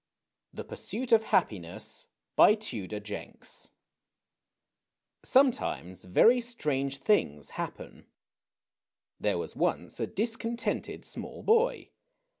THE PURSUIT OF HAPPINESS. Q10METIMES very strange things happen. There was once a discontented small boy.